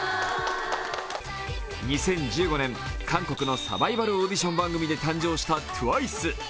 ２０１５年韓国のサバイバルオーディション番組で誕生したＴＷＩＣＥ。